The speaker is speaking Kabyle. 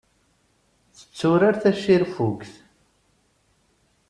Tetturar tacirfugt.